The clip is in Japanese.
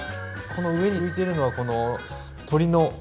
この上に浮いているのはこの鶏の。